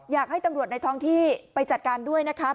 อยากให้ตำรวจในท้องที่ไปจัดการด้วยนะครับ